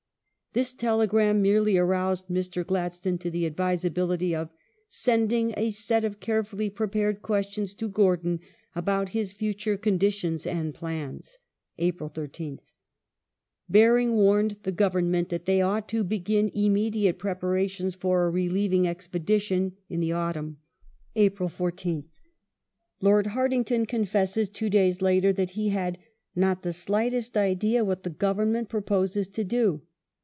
This telegram merely aroused Mr. Gladstone to the advisability of " sending a set of carefully pre pared questions to Gordon about his future conditions and plans " (April 13th). Baring warned the Government that they ought to begin immediate preparations for a relieving expedition in the autumn (Apnl 14th). Lord Hartington confesses, two days later, that he had " not the slightest idea what the Government proposes to do